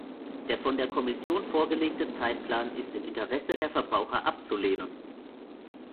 Der von der Kommission vorgelegte Zeitplan ist im Interesse der Verbraucher abzulehnen.